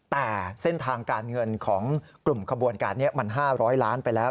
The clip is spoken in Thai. แต่เส้นทางการเงินของกลุ่มขบวนการนี้มัน๕๐๐ล้านไปแล้ว